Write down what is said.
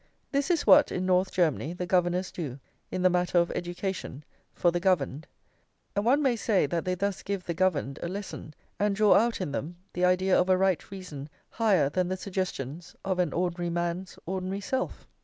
This is what, in North Germany, the governors do, in the matter of education, for the governed; and one may say that they thus give the governed a lesson, and draw out in them the idea of a right reason higher than the suggestions of an ordinary man's ordinary self.